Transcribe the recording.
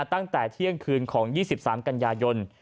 ตั้งแต่เที่ยงคืนของ๒๓กันยายน